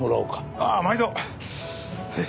ああ毎度！